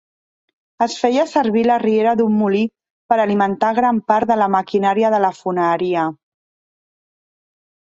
Es feia servir la riera d'un molí per alimentar gran part de la maquinària de la foneria.